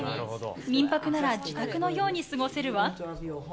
民泊なら自宅のように過ごせるわ。